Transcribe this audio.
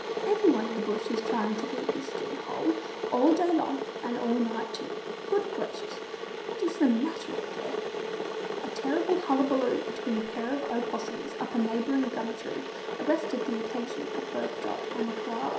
Everyone in the bush is trying to keep his skin whole, all day long, and all night too. Good gracious! What is the matter up there?" A terrible hullabaloo between a pair of Opossums up a neighbouring gum tree arrested the attention of both Dot and the Koala.